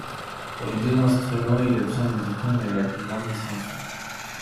Pour les deux instruments, il obtient les diplômes avec La Plus Grande Distinction.